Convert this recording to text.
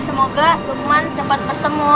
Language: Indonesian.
semoga lukman cepat bertemu